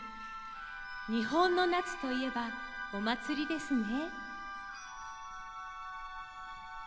日本の夏といえばお祭りですね。